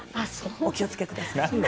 お気を付けください。